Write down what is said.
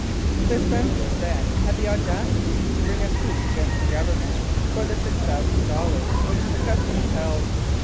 The Spencers then had the audacity to bring a suit against the Government for the $6,000 which the Customs held.